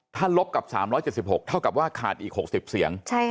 ถ้าลบกับ๓๗๖เท่ากับว่าขาดอีก๖๐เสียง